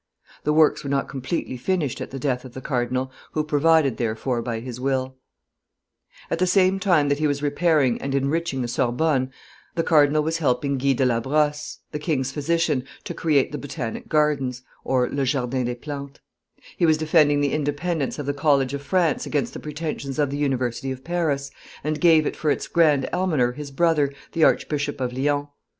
The works were not completely finished at the death of the cardinal, who provided therefor by his will. [Illustration: The King's Press 323] At the same time that he was repairing and enriching the Sorbonne, the cardinal was helping Guy de la Brosse, the king's physician, to create the Botanic Gardens (Le Jardin des Plantes), he was defending the independence of the College of France against the pretensions of the University of Paris, and gave it for its Grand Almoner his brother, the Archbishop of Lyons.